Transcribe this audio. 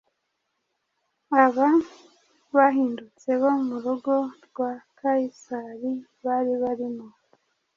aba bahindutse bo mu rugo rwa Kayisari bari barimo.